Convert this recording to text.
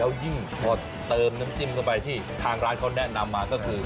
แล้วยิ่งพอเติมน้ำจิ้มเข้าไปที่ทางร้านเขาแนะนำมาก็คือ